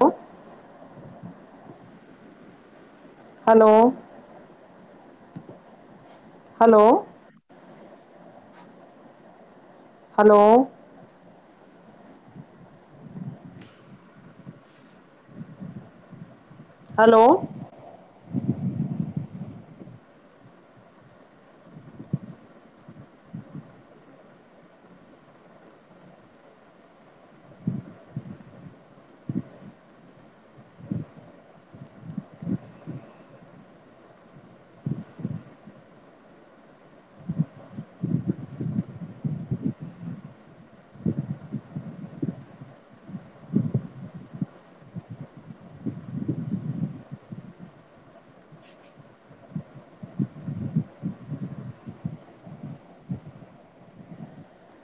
ਹੂੰ hello, hello. Hello. Hello.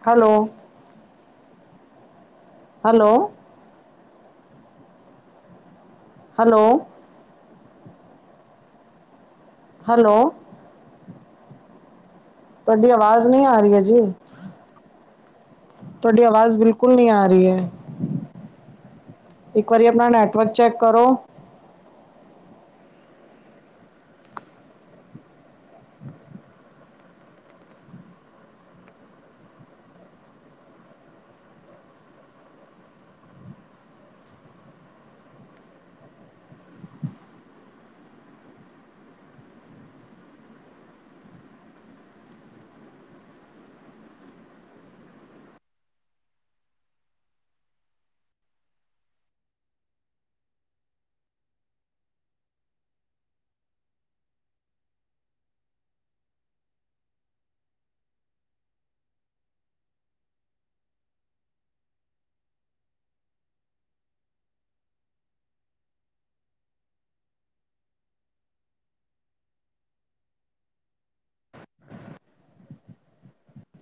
Hello. Hello. Hello. Hello. ਤੁਹਾਡੀ ਆਵਾਜ਼ ਨਈ ਆ ਰਹੀ ਆ ਜੀ। ਤੁਹਾਡੀ ਆਵਾਜ਼ ਬਿਲਕੁਲ ਨਈ ਆ ਰਹੀ ਐ, ਇੱਕ ਵਾਰੀ ਆਪਣਾ ਨੈੱਟਵਰਕ ਚੈੱਕ ਕਰੋ।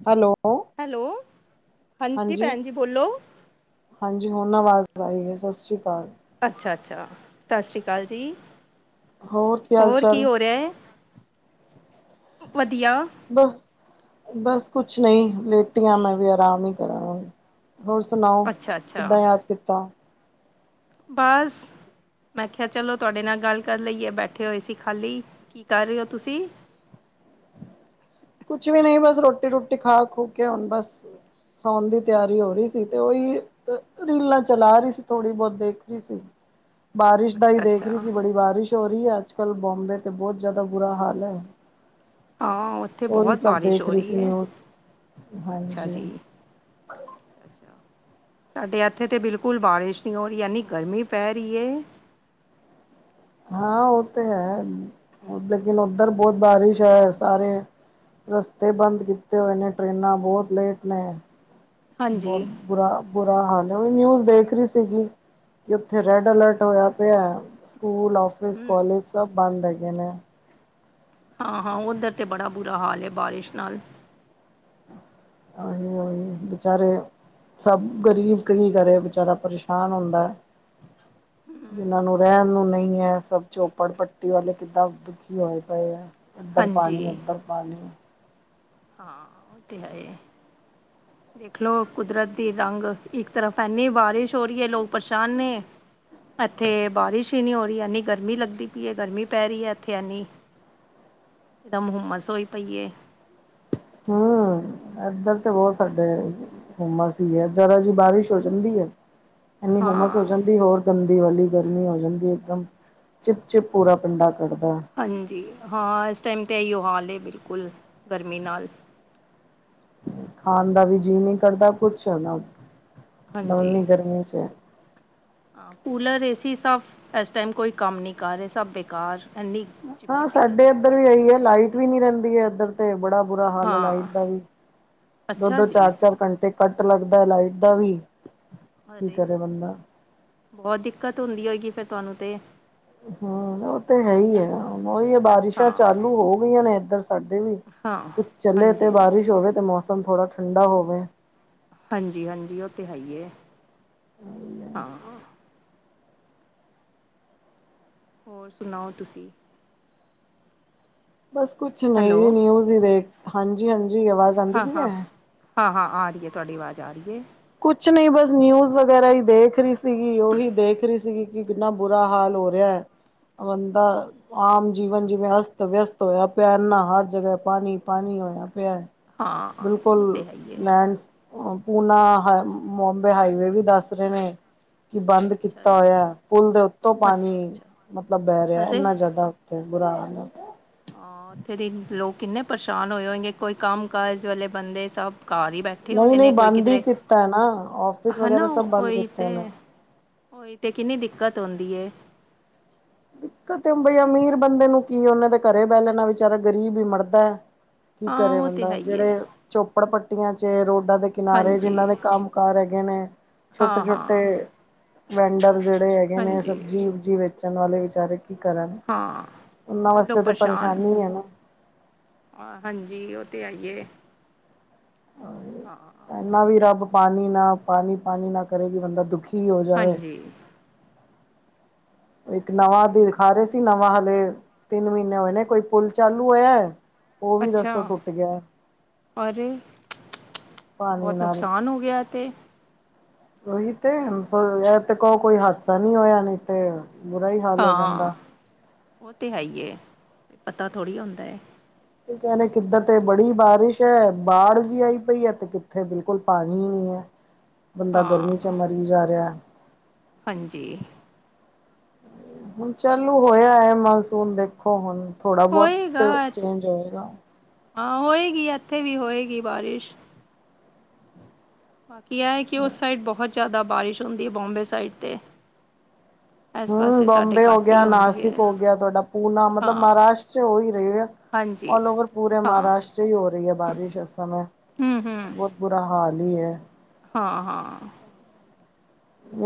ਹੈਲੋ, ਹੈਲੋ, ਹਾਂਜੀ ਭੈਣ ਜੀ ਬੋਲੋ, ਹਾਂਜੀ ਹੁਣ ਆਵਾਜ਼ ਆਈ ਏ ਸਤਿ ਸ਼੍ਰੀ ਅਕਾਲ। ਅੱਛਾ- ਅੱਛਾ ਸਤਿ ਸ਼੍ਰੀ ਅਕਾਲ ਜੀ। ਹੋਰ ਕੀ ਹੋ ਰਿਹਾ ਏ ਵੱਧੀਆ। ਬਸ -ਬਸ ਕੁਛ ਨਈ ਲੇਟੀ ਆ, ਮੈਂ ਵੀ ਆਰਾਮ ਈ ਕਰਾਂਗੀ। ਹੋਰ ਸੁਣਾਓ ਅੱਛਾ ਅੱਛਾ ਕਿੱਦਾਂ ਯਾਦ ਕੀਤਾ। ਬਾਸ ਮੈਂ ਕੇਆ, ਚਲੋ ਤੁਹਾਡੇ ਨਾਲ ਗੱਲ ਕਰ ਲਈਏ, ਬੈਠੇ ਹੋਏ ਸੀ ਖਾਲੀ, ਕੀ ਕਰ ਰਹੇ ਹੋ ਤੁਸੀਂ। ਕੁਛ ਵੀ ਨਈ ਬਸ ਰੋਟੀ- ਰੁਟੀ ਖਾ -ਖੂ ਕੇ ਹੁਣ ਬਸ ਸੌਣ ਦੀ ਤਿਆਰੀ ਹੋ ਰਹੀ ਸੀ ਤੇ ਓ, ਈ ਰੀਲਾਂ ਚਲਾ ਰਹੀ ਸੀ, ਥੋੜ੍ਹੀ ਬਹੁਤ ਦੇਖ ਰਹੀ ਸੀ। ਬਾਰਿਸ਼ ਦਾ ਹੀ ਅੱਛਾ ਦੇਖ ਰਹੀ ਅੱਛਾ ਸੀ, ਬੜੀ ਬਾਰਿਸ਼ ਹੋ ਰਹੀ ਆ, ਅੱਜ ਕੱਲ੍ਹ ਬੋਂਬੇ ਤੇ ਬਹੁਤ ਜ਼ਿਆਦਾ ਬੁਰਾ ਹਾਲ ਐ, ਹਾਂ, ਓਥੇ ਬੋਹਤ ਬਾਰਿਸ਼ ਦੇਖ ਹੋ ਰਹੀ ਸੀ ਐ, ਨਿਊਜ਼ ਅੱਛਾ ਹਾਂਜੀ ਜੀ। ਸਾਡੇ ਇੱਥੇ ਤੇ ਬਿਲਕੁਲ ਬਾਰਿਸ਼ ਨਹਂੀ ਹੋ ਰਹੀ। ਜਾਨੀ ਗਰਮੀ ਪੈ ਰਹੀ ਹੈ। ਹਾਂ, ਉਹ ਤੇ ਹੈ। ਲੇਨ ਉੱਧਰ ਬਹੁਤ ਬਾਰਿਸ਼ ਹੈ। ਸਾਰੇ ਰਸਤੇ ਬੰਦ ਕੀਤੇ ਹੋਏ ਨੇ, ਟਰੇਨਾਂ ਬਹੁਤ ਲੇਟ ਨੇ। ਹਾਂਜੀ ਬਹੁਤ ਬੁਰਾ-ਬੁਰਾ ਹਾਲ, ਉਹ ਨਿਊਜ਼ ਦੇਖ ਰਹੀ ਸੀਗੀ। ਕਿ ਉੱਥੇ ਰੈਡ ਅਲਰਟ ਹੋਇਆ ਪਿਆ। ਸਕੂਲ ਆਫਿਸ ਹਮ ਕਾਲਜ ਸਭ ਬੰਦ ਹੈਗੇ ਨੇ। ਹਾਂ-ਹਾਂ, ਉੱਧਰ ਤੇ ਬੜਾ ਬੁਰਾ ਹਾਲ ਹੈ। ਬਾਰਿਸ਼ ਨਾਲ [unintelligible] ਸਭ ਗਰੀਬ ਕੀ ਕਰੇ। ਬੇਚਾਰਾ ਪਰੇਸ਼ਾਨ ਹੁੰਦਾ। ਜਿਨਾਂ ਨੂੰ ਰਹਿਣ ਨੂੰ ਨਹੀਂ ਹੈ। ਸਭ ਚੋਪੜ ਪੱਟੀ ਵਾਲੇ ਕਿੱਦਾਂ ਦੁਖੀ ਹੋਏ ਪਏ ਹੈ। ਇਧਰ ਹਾਂਜੀ ਪਾਣੀ, ਉੱਧਰ ਪਾਣੀ। ਹਾਂ, ਉਹ ਤੇ ਹੈ। ਦੇਖਲਓ, ਕੁਦਰਤ ਦੀ ਰੰਗ ਇੱਕ ਤਰਫ ਐਨੀ ਬਾਰਿਸ਼ ਹੋ ਰਹੀ ਹੈ। ਲੋਕ ਪਰੇਸ਼ਾਨ ਨੇ ਇੱਥੇ ਬਾਰਿਸ਼ ਹੀ ਨਹੀਂ ਹੋ ਰਹੀ। ਐੰਨੀ ਗਰਮੀ ਲੱਗਦੀ ਪਈ ਹੈ। ਗਰਮੀ ਪੈ ਰਹੀ ਹੈ। ਇੱਥੇ ਐੰਨੀ ਇਕ ਦਮ ਹੁੰਮਸ ਹੋਈ ਪਈਏ। ਹੂ, ਇੱਧਰ ਤੇ ਬਹੁਤ ਸਾਡੇ ਹੈ। ਹੁਮਸ ਹੀ ਹੈ। ਜ਼ਿਆਦਾ ਜਿ ਬਾਰਿਸ਼ ਹੋ ਜਾਂਦੀ ਹੈ। ਇਨੀ ਹੁਮਸ ਹੋ ਹਾਂ ਜਾਂਦ‌ੀ। ਹੋਰ ਗੰਦੀ ਵਾਲੀ ਗਰਮੀ ਹੋ ਜਾਂਦੀ। ਇਕਦਮ ਚਿਪ-ਚਿਪ ਪੂਰਾ ਪਿੰਡਾ ਕੱਟਦਾ। ਹਾਂਜੀ, ਹਾਂ। ਇਸ ਟਾਈਮ ਤੇ ਇਓ ਹਾਲ ਬਿਲਕੁਲ, ਗਰਮੀ ਨਾਲ ਖਾਣ ਦਾ ਵੀ ਜੀਅ ਨੀ ਕਰਦਾ ਕੁਛ, [inaudible] ਹਾਂਜੀ ਹਾਂ, ਕੂਲਰ ਏ ਸੀ ਸਭ ਇਸ ਟਾਈਮ ਕੋਈ ਕੰਮ ਨਹੀਂ ਕਰ ਰਹੇ। ਸਭ ਬੇਕਾਰ ਇੰਨੀ ਹਾਂ, ਚਿਪਚਿਪੀ ਸਾਡੇ ਗਰਮੀ ਇੱਧਰ ਪੈ ਵੀ ਰਹੀ ਆਹੀ ਹੈ। ਇੱਥੇ ਲਾਈਟ ਵੀ ਨੀ ਰਹਿੰਦੀ ਹੈ। ਏਧਰ ਤੇ ਬੜਾ ਬੁਰਾ ਹਾਲ ਲਾਈਟ ਹਾਂ ਅੱਛਾ ਦੋ-ਦੋ, ਜੀ ਚਾਰ-ਚਾਰ ਘੰਟੇ ਕੱਟ ਲੱਗਦਾ ਹੈ। ਲਾਈਟ ਦਾ ਵੀ ਕੀ ਅਰੇ, ਕਰੇ ਬੰਦਾ। ਬਹੁਤ ਦਿੱਕਤ ਹੁੰਦੀ ਹੋਏਗੀ। ਫੇਰ ਤੁਹਾਨੂੰ ਤੇ? ਹਾਂ, ਉਹ ਤੇ ਹੈ ਹੀ ਆ। ਉਹੀ ਆ ਬਾਦ ਬਾਰਿਸ਼ਾਂ ਹਾਂ ਚਾਲੂ ਹੋ ਗਈਆਂ ਨੇ। ਇੱਧਰ ਸਾਡੇ ਵੀ ਹਾਂ ਕੁੱਛ ਚੱਲੇ ਤੇ ਹਾਂਜੀ ਹਾਂਜੀ ਬਾਰਿਸ਼ ਹੋਵੇ। ਅਤੇ ਮੌਸਮ ਥੋੜ੍ਹਾ ਠੰਡਾ ਹੋਵੇ। ਹਾਂਜੀ-ਹਾਂਜੀ, ਉਹ ਤੇ ਹੈ। ਹੀ ਏ ਹਾਂ। ਹੋਰ ਸੁਣਾਓ, ਤੁਸੀਂ? ਬਸ, ਕੁਛ ਨਹੀਂ ਹੈਲੋ ਨਿਊਜ਼ ਹੀ ਦੇਖ, ਹਾਂਜੀ-ਹਾਂਜੀ, ਆਵਾਜ਼ ਆਉਂਦੀ ਪਈ ਹਾਂ-ਹਾਂ, ਹੈ ਹਾਂ-ਹਾਂ, ਆ ਰਹੀ ਹੈ। ਤੁਹਾਡੀ ਆਵਾਜ਼ ਆ ਰਹੀ ਹੈ। ਕੁਛ ਨਹੀਂ, ਬਸ ਨਿਊਜ਼ ਵਗੈਰਾ ਹੀ ਦੇਖ ਰਹੀ ਸੀਗੀ। ਉਹੀ ਦੇਖ ਰਹੀ ਸੀਗੀ ਕਿ ਇੰਨਾ ਬੁਰਾ ਹਾਲ ਹੋ ਰਿਹਾ ਹੈ। ਬੰਦਾ ਆਮ ਜੀਵਨ ਜਿਵੇਂ ਅਸਤ ਵਿਅਸਤ ਹੋਇਆ ਪਿਆ। ਇੰਨਾ ਹਰ ਜਗ੍ਹਾ ਪਾਣੀ ਪਾਣੀ ਹੋਇਆ ਪਿਆ। ਹਾਂ ਉਹ ਬਿਲਕੁਲ ਤਾਂ ਹੈ ਹੀ ਹੈ ਲੈਂਡਸ। ਪੂਨਾ, ਬੰਬੇ ਹਾਈਵੇ ਵੀ ਦੱਸ ਰਹੇ ਨੇ। ਕਿ ਬੰਦ ਅੱਛਾ ਕੀਤਾ ਜੀ ਹੋਇਆ। ਪੁਲ ਦੇ ਉੱਤੋਂ ਪਾਣੀ ਅੱਛਾ ਅੱਛਾ ਮਤਲਬ, ਬਹਿ ਰਿਹਾ ਅਰੇ ਇੰਨਾ ਜ਼ਿਆਦਾ ਫਿਰ ਬੁਰਾ ਆ। ਹਾਂ, ਉੱਥੇ ਦੀ ਲੋਕ ਕਿੰਨੇ ਪਰੇਸ਼ਾਨ ਹੋਏ। ਕੋਈ ਕੰਮ ਕਾਜ ਵਾਲੇੇ ਬੰਦੇ ਸਭ ਘਰ ਹੀ ਬੈਠੇ ਨਹੀਂ ਹੋਣੇ ਨਹੀਂ ਨੇ। ਕੋਈ ਬੰਦ ਹੀ ਕਿਧਰੇ ਕੀਤਾ ਨਾ ਆਫਿਸ ਹਨਾ, ਵਗੈਰਾ ਸਭ ਬੰਦ ਉਹੀ ਤੇ ਕੀਤੇ ਨੇ ਉਹੀ ਤੇ ਕਿੰਨੀ ਦਿੱਕਤ ਆਉਂਦੀ। ਦਿੱਕਤ, ਉਹੀ ਈ ਅਮੀਰ ਬੰਦੇ ਨੂੰ ਕੀ ਉਹਨਾਂ ਦੇ ਘਰੇ ਬਹਿ ਲੈਣਾ। ਵਿਚਾਰਾ ਗਰੀਬ ਹੀ ਮਰਦਾ ਹੈ। ਕੀ ਹਾਂ ਕਰੇ, ਉਹ ਤੇ ਹੈ ਬੰਦਾ ਹੀ ਹੈ ਜਿਹੜੇ ਚੋਪੜ ਪੱਟੀਆਂ ਚ ਰੋਡਾਂ ਦੇ ਕਿਨਾਰੇ ਜਿਨਾਂ ਹਾਂਜੀ ਦੇ ਕੰਮ ਕਾਰ ਹੈਗੇ ਨੇ। ਹਾਂ ਛੋਟੇ-ਛੋਟੇ ਹਾਂ ਵੈਂਡਰ ਜਿਹੜੇ ਹੈਗੇ। ਹਾਂਜੀ [inaudible] ਵੇਚਣ ਵਾਲੇ ਵਿਚਾਰੇ ਕੀ ਕਰਨ, ਹਾਂ ਉਹਨਾਂ ਉਹ ਵਾਸਤੇ ਤਾਂ ਪਰੇਸ਼ਾਨੀ ਹੈ। ਆਹ ਹਾਂਜੀ ਉਹ ਤੇ ਹੈ ਹੀ ਏ ਹਾਂ। ਨਾ ਵੀ ਰੱਬ ਪਾਣੀ ਨਾ ਪਾਣੀ ਪਾਣੀ ਨਾ ਕਰੇ ਵੀ ਬੰਦਾ ਦੁਖੀ ਹੀ ਹੋ ਜਾਏ। ਹਾਂਜੀ ਇੱਕ ਉਹ ਤੇ ਨਵਾਂ ਹੈਗੇ ਦਿਖਾ ਰਹੇ ਸੀ ਨਵਾਂ ਹਾਲੇ ਤਿੰਨ ਮਹੀਨੇ ਹੋਏ ਨੇ ਕੋਈ ਪੁਲ ਚਾਲੂ ਹੋਇਆ। ਉਹ ਵੀ ਅੱਛਾ ਦੱਸੋ ਟੁੱਟ ਗਿਆ ਅਰੇ ਪਾਣੀ ਬਹੁਤ ਨਾਲ ਨੁਕਸਾਨ ਹੋ ਗਿਆ ਇਹ ਤੇ ਉਹੀ ਤੇ ਨੁਕਸਾਨ ਇਹ ਤੇ ਕੋ ਕੋਈ ਹਾਦਸਾ ਨੀ ਹੋਇਆ ਨਹੀਂ ਤੇ ਬੁਰਾ ਈ ਹਾਲ। ਹੋ ਹਾਂ ਜਾਂਦਾ। ਉਹ ਤੇ ਹੈ ਹੀ ਏ ਪਤਾ ਥੋੜ੍ਹੀ ਹੁੰਦਾ। ਤੇ ਕਹਿ ਰੇ ਕਿੱਧਰ ਤੇ ਬੜੀ ਬਾਰਿਸ਼ ਹੈ ਬਾੜ ਜਿਹੀ ਆਈ ਪਈ ਹੈ ਤੇ ਕਿੱਥੇ ਬਿਲਕੁਲ ਪਾਣੀ ਨੀ ਹੈ। [inaudible] ਬੰਦਾ ਗਰਮੀ 'ਚ ਹਾਂ ਮਰੀ ਜਾ ਰਿਹਾ। ਹਾਂਜੀ। ਹੁਣ ਚਾਲੂ ਹੋਇਆ ਹੈ ਮਾਨਸੂਨ ਦੇਖੋ ਹੁਣ ਥੋੜਾ ਹੋਏਗਾ ਬਹੁਤ ਚੇਂਜ ਹੋਏਗਾ। ਹਾਂ ਹੋਏਗੀ ਇੱਥੇ ਵੀ ਹੋਏਗੀ ਬਾਰਿਸ਼। ਬਾਕੀ ਐ ਕਿ ਉਸ ਸਾਈਡ ਬਹੁਤ ਜ਼ਿਆਦਾ ਬਾਰਿਸ਼ ਹੁੰਦੀ ਬੰਬੇ ਸਾਈਡ 'ਤੇ। ਇਸ ਹਮ ਪਾਸੇ ਸਾਡੇ ਬੋਂਬੇ ਹੋ ਘੱਟ ਹੀ ਗਿਆ ਹੁੰਦੀ ਨਾਸਿਕ ਹੈ ਹੋ ਗਿਆ ਤੁਹਾਡਾ ਪੂਨਾ ਮਤਲਬ ਹਾਂ ਮਹਾਰਾਸ਼ਟਰ 'ਚ ਹੋ ਹੀ ਰਹੇ। ਹਾਂਜੀ ਆਲਓਵਰ ਪੂਰੇ ਹਾਂ ਮਹਾਰਾਸ਼ਟਰ ਹੀ ਹੋ ਰਹੀ ਹੈ ਬਾਰਿਸ਼ ਉਸ ਸਮੇਂ। ਹਮ ਹਮ। ਬਹੁਤ ਬੁਰਾ ਹਾਲ ਹੀ ਹੈ। ਹਾਂ- ਹਾਂ।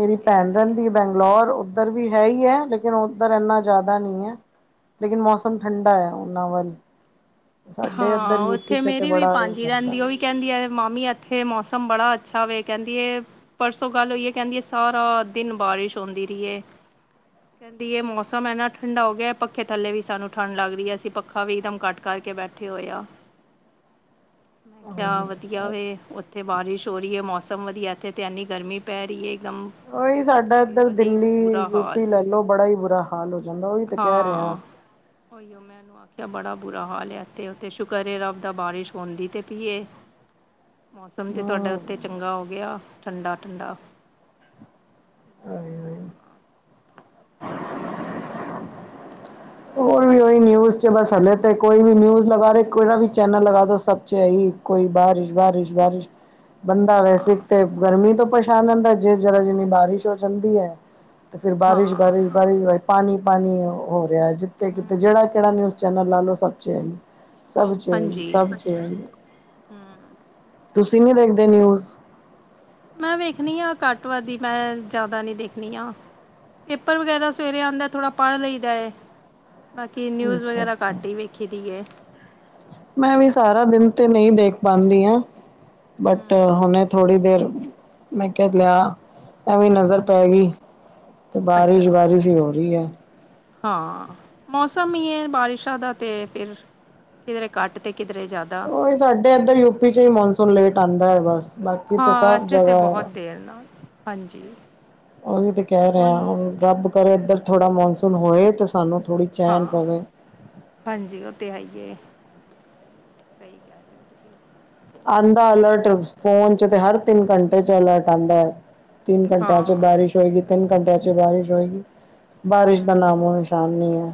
ਉਹ ਤੇ ਹੈ ਭੈਣ ਹੀ ਹੈ। ਰਹਿੰਦੀ ਬੰਗਲੌਰ ਉੱਧਰ ਵੀ ਹੈ ਹੀ ਹੈ ਲੇਕਿਨ ਉੱਧਰ ਇੰਨਾ ਜ਼ਿਆਦਾ ਨਹੀਂ ਹੈ। ਲੇਕਿਨ ਮੌਸਮ ਠੰਡਾ ਹੈ ਉਹਨਾਂ ਵੱਲ। ਸਾਡੇ ਇਧਰ ਹਾਂ ਯੂਪੀ ਉੱਥੇ 'ਚ ਤੇ ਮੇਰੀ ਵੀ ਬੜਾ ਇਹ ਭਾਂਜੀ ਕਰਦਾ। ਰਹਿੰਦੀ ਉਹ ਵੀ ਕਹਿੰਦੀ ਆ ਮਾਮੀ ਇੱਥੇ ਮੌਸਮ ਬੜਾ ਅੱਛਾ ਵੇ ਕਹਿੰਦੀ ਏ। ਪਰਸੋਂ ਗੱਲ ਹੋਈ ਹੈ ਕਹਿੰਦੀ ਸਾਰਾ ਦਿਨ ਬਾਰਿਸ਼ ਹੁੰਦੀ ਰਹੀ ਹੈ ਕਹਿੰ ਦੀ ਇਹ ਮੌਸਮ ਹੈ ਨਾ ਠੰਡਾ ਹੋ ਗਿਆ ਪੱਖੇ ਥੱਲੇ ਵੀ ਸਾਨੂੰ ਠੰਢ ਲੱਗ ਰਹੀਏ ਅਸੀ ਪੱਖਾ ਵੀ ਇੱਕਦਮ ਘਟ ਕਰਕੇ ਬੈਠ। ਕੀ ਹੋਇਆ ਮੈਂ ਕਿਹਾ ਉਹੀ ਵਧੀਆ ਵੇ। ਉਧਰ ਇੱਥੇ ਬਾਰਿਸ਼ ਹੋ ਰਹੀ ਹੈ ਮੌਸਮ ਵਧੀਆ ਇੱਥੇ ਤੇ ਐੰਨੀ ਗਰਮੀ ਪੈ ਰਹੀ ਹੈ ਇੱਕਦਮ। ਉਈ ਸਾਡਾ ਚਿਪਚਿਪੀ ਇੱਧਰ ਵਾਲੀ ਦਿੱਲੀ ਬੁਰਾ ਹਾਲ ਯੂਪੀ ਲੈ ਲੋ ਬੜਾ ਹੀ ਬੁਰਾ ਹਾਲ ਹੋ ਜਾਂਦਾ ਉਹੀ ਤੇ ਕਹਿ ਰਿਹਾ। ਉਈਓ ਮੈਂ ਇਹਨੂੰ ਆਖਿਆ ਬੜਾ ਬੁਰਾ ਹਾਲ ਹੈ। ਤੇ ਉੱਥੇ ਸ਼ੁਕਰ ਏ ਰੱਭਦਾ ਬਾਰਿਸ਼ ਹੁੰਦੀ ਤੇ ਕੀ ਇਹ ਮੌਸਮ ਤੇ ਤੁਹਾਡਾ ਹੂੰ ਉੱਥੇ ਚੰਗਾ ਹੋ ਗਿਆ ਠੰਡਾ ਠੰਡਾ। ਹਾਏ ਹੋਏ। ਹਾਂਜੀ। ਹੋਰ ਉਈ ਉਈ ਨਿਊਜ 'ਚ ਬਸ ਹਲੇ ਤਾਂ ਕੋਈ ਵੀ ਨਿਊਜ਼ ਲਗਾ ਰਹੇ ਕਿਹੜਾ ਵੀ ਚੈਨਲ ਲਗਾ ਦਿਓ ਸਭ 'ਚ ਇਹੀ। ਕੋਈ, ਬਾਰਿਸ਼ ਬਾਰਿਸ਼ ਬਾਰਿਸ਼। ਬੰਦਾ ਵੈਸੇ ਹਾਂ ਇੱਕ ਤੇ ਗਰਮੀ ਤੋਂ ਪਰੇਸ਼ਾਨ ਰਹਿੰਦਾ, ਜੇ ਜ਼ਰਾ ਜਿੰਨੀ ਬਾਰਿਸ਼ ਹੋ ਜਾਂਦੀ ਐ। ਤੇ ਫਿਰ ਬਾਰਿਸ਼ ਹਾਂ ਬਾਰਿਸ਼ ਬਾਰਿਸ਼ ਬਾਰੀ ਪਾਣੀ ਪਾਣੀ ਹੋ ਰਿਹਾ ਜਿੱਥੇ ਕਿਤੇ ਹਮ ਜਿਹੜਾ ਕਿਹੜਾ ਨਿਊਜ਼ ਚੈਨਲ ਲਾ ਲਓ, ਸਭ 'ਚ ਇਹੀ, ਸਭ 'ਚ ਇਹੀ, ਹਾਂਜੀ ਸਭ 'ਚ ਏ ਆਈ, ਹਮ ਤੁਸੀਂ ਨੀ ਦੇਖਦੇ ਨਿਊਜ਼? ਮੈਂ ਵੇਖਨੀ ਆ ਕੱਟ ਵੱਧ ਹੀ, ਮੈਂ ਜ਼ਿਆਦਾ ਨੀ ਦੇਖਨੀ ਆ। ਪੇਪਰ ਵਗੈਰਾ ਸਵੇਰੇ ਆਂਉਦਾ, ਥੋੜਾ ਪੜ੍ਹ ਲਈਦਾ ਐ। ਬਾਕੀ ਨਿਊਜ਼ ਅੱਛਾ ਵਗੈਰਾ ਅੱਛਾ ਘੱਟ ਹੀ ਵੇਖੀ ਦੀ ਹੈ। ਮੈਂ ਵੀ ਸਾਰਾ ਦਿਨ ਤੇ ਨਹੀਂ ਦੇਖ ਪਾਉਂਦੀ ਆ, ਹਮ ਬਟ ਹਮ ਹੁਣੇ ਥੋੜ੍ਹੀ ਦੇਰ, ਮੈਂ ਕਿਹਾ ਲੈ ਆ, ਐਵੇਂ ਨਜ਼ਰ ਪੈ ਗਈ। ਤੇ ਅੱਛਾ ਬਾਰਿਸ਼ ਅੱਛਾ ਬਾਰਿਸ਼ ਹੀ ਹੋ ਰਹੀ ਐ। ਹਾਂ, ਮੌਸਮ ਈ ਐ ਬਾਰਿਸ਼ਾਂ ਦਾ ਤੇ ਫਿਰ ਕਿਧਰੇ ਘੱਟ ਤੇ ਕਿਧਰੇ ਜ਼ਿਆਦਾ। ਉਹੀ ਸਾਡੇ ਇੱਧਰ ਯੂਪੀ ਚ ਹੀ ਮੌਨਸੂਨ ਲੇਟ ਆਉਂਦਾ ਐ ਬਸ। ਬਾਕੀ ਤਾਂ ਹਾਂ ਸਭ ਇੱਥੇ ਤਾਂ ਜਗ੍ਹਾ ਬਹੁਤ ਹੈ। ਦੇਰ ਨਾਲ ਹਾਂਜੀ। ਉਹੀ ਤਾਂ ਕਹਿ ਰਿਹਾ ਆ, ਹੁਣ ਰੱਬ ਕਰੋ ਇੱਧਰ ਥੋੜ੍ਹਾ ਮੌਨਸੂਨ ਹੋਏ ਤਾਂ ਸਾਨੂੰ ਥੋੜ੍ਹੀ ਚੈਨ ਹਾਂ ਪਵੇ। ਹਾਂਜੀ ਉਹ ਤੇ ਆਈਏ, ਸਹੀ ਕਹਿ ਰਹੇ ਹੋ ਤੁਸੀਂ। ਆਉਂਦਾ ਅਲਰਟ ਫੋਨ 'ਚ ਤੇ ਹਰ ਤਿੰਨ ਘੰਟੇ 'ਚ ਅਲਰਟ ਆਦਾ ਐ। ਤਿੰਨ ਘੰਟਿਆਂ 'ਚ ਹਾਂ ਬਾਰਿਸ਼ ਹੋਏਗੀ, ਤਿੰਨ ਘੰਟਿਆਂ 'ਚ ਬਾਰਿਸ਼ ਹੋਏਗੀ। ਬਾਰਿਸ਼ ਦਾ ਨਾਮੋ ਹੂੰ ਨਿਸ਼ਾਨ ਨੀ ਐ।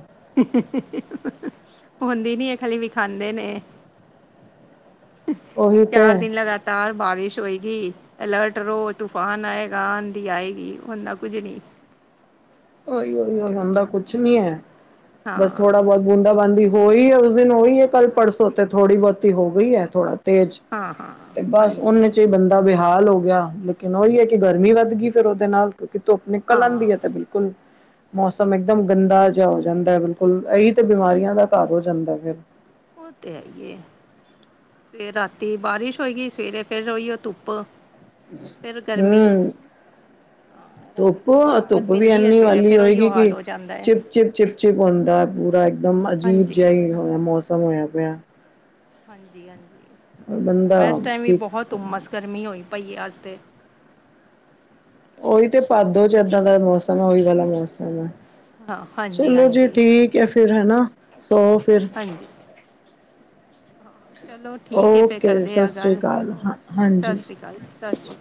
ਹੁੰਦੀ ਨੀ ਐ, ਖਾਲੀ ਵੀ ਖਾਂਦੇ ਨੇ। ਕਿ ਉਹੀ ਚਾਰ ਤੇ ਦਿਨ ਲਗਾਤਾਰ ਬਾਰਿਸ਼ ਹੋਏਗੀ। ਅਲਰਟ ਰਹੋ ਤੂਫਾਨ ਆਏਗਾ, ਆਂਧੀ ਆਏਗੀ ਓਨਾ ਕੁਝ ਨੀ। ਉਹੀ ਉਹੀ ਉ ਹੁੰਦਾ ਕੁਛ ਨੀ ਐ, ਬਸ ਹਾਂ ਥੋੜਾ ਬਹੁਤ ਬੂੰਦਾ ਬਾਂਦੀ ਹੋਈ ਈ, ਔਰ ਉਸ ਦਿਨ ਹੋਈ ਕੱਲ ਹਾਂ ਪਰਸੋ ਤੇ ਥੋੜੀ ਬਹੁਤੀ ਹੋ ਗਈ ਐ ਥੋੜਾ ਤੇਜ, ਹਾਂ ਹਾਂ ਤੇ ਬਸ ਹਾਂਜੀ ਉਹਨੇ 'ਚ ਹੀ ਬੰ ਬੇਹਾਲ ਹੋ ਗਿਆ, ਲੇਕਿਨ ਉਹੀ ਐ ਕਿ ਗਰਮੀ ਵਧ ਗਈ ਫਿਰ ਉਹਦੇ ਨਾਲ, ਕਿਉਂਕਿ ਧੁੱਪ ਨਿਕਲ ਹਾਂ ਆਉਂਦੀ ਐ ਤੇ ਬਿਲ ਬਿਲਕੁਲ ਮੌਸਮ ਇਕਦਮ ਗੰਦਾ ਜਿਹਾ ਹੋ ਜਾਂਦਾ ਐ, ਬਿਲਕੁਲ ਇਹੀ ਤੇ ਬਿਮਾਰੀਆਂ ਦਾ ਘਰ ਹੋ ਜਾਂਦਾ ਫਿਰ। ਉਹ ਤੇ ਹੈ ਹੀ ਐ। ਫਿਰ ਰਾਤੀ ਬਾਰਿਸ਼ ਹੋ ਗਈ, ਸਵੇਰੇ ਫਿਰ ਉਹੀਉ ਧੁੱਪ। ਹੂੰ,,, ਆ ਧੁੱਪ ਧੁੱਪ ਵੀ ਇਨੀ ਵਾਲੀ ਉਹੀਓ ਹੋਏਗੀ, ਹਾਲ ਕਿ ਹੋ ਜਾਂਦਾ ਹੈ ਚਿਪ ਚਿਪ ਚਿਪ ਚਿਪ ਹੁੰਦਾ ਪੂਰਾ ਮਮਾ ਜੀ ਹਾਂਜੀ ਜਿਹਾ ਹੀ ਹੋਇਆ ਮੌਸਮ ਹੋਇਆ ਪਿਆ। ਹਾਂਜੀ ਹਾਂਜੀ, ਬੰਦਾ ਮੈਂ ਇਸ ਟੈਮ ਵੀ ਕੀ ਬਹੁਤ ਉਮਸ ਗਰਮੀ ਹੋਈ ਪਈ ਆ ਅੱਜ 'ਤੇ। ਉਹੀ ਤੇ ਭਾਦੋ ਚ ਇਦਾਂ ਦਾ ਮੌਸਮ ਐ, ਉਹੀ ਵਾਲਾ ਮੌਸਮ ਆ। ਹਾਂ ਹਾਂਜੀ ਚਲੋਂ ਜੀ ਹਾਂਜੀ ਠੀਕ ਐ, ਫਿਰ ਹਨਾ ਸੋਫ ਹਾਂਜੀ ਹਾਂ। ਚਲੋ ਠੀਕ ਐ ਫਿਰ ਓਕੇ ਕਰਦੇ ਸਤਿ ਆ ਸ੍ਰੀ ਗੱਲ ਅਕਾਲ ਹਾਂ ਓਕੇ ਜੀ ਸਤਿ ਹਾਂਜੀ। ਸ਼੍ਰੀ ਅਕਾਲ ਜੀ, ਸਤਿ ਸ਼੍ਰੀ